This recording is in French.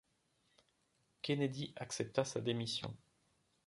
Kennedy accepta sa démission.